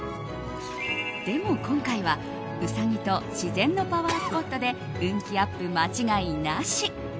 でも今回は、うさぎと自然のパワースポットで運気アップ間違いなし！